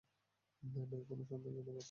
নেই কোন সন্তান, জনক, অর্থ বা সঙ্গিনী।